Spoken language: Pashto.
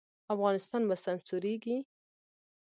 افغانستان به سمسوریږي؟